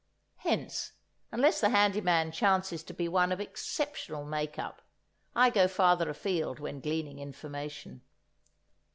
Hence, unless the handy man chances to be one of exceptional make up, I go farther afield when gleaning information.